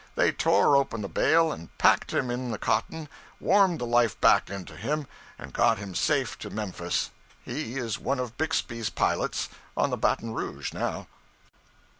They tore open the bale and packed him in the cotton, and warmed the life back into him, and got him safe to Memphis. He is one of Bixby's pilots on the 'Baton Rouge' now.